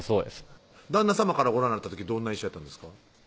旦那さまからご覧になった時どんな印象やったんですか？